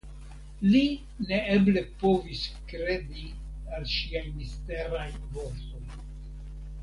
Li neeble povis kredi al ŝiaj misteraj vortoj.